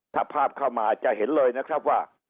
ถ้าภาพเข้ามาจะเห็นเลยนะครับว่า